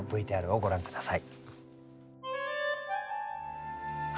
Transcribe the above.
ＶＴＲをご覧下さい。